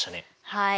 はい。